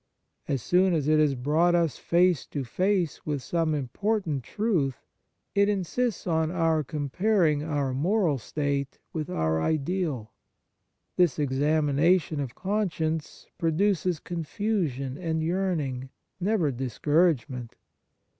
As soon as it has brought us face to face with some important truth, it insists on our comparing our moral state with our ideal. This examination of con science produces confusion and yearn ing, never discouragement.